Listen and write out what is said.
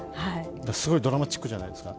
すごいドラマチックじゃないですか？